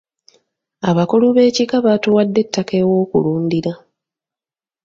Abakulu b'ekika baatuwadde ettaka ew'okulundira.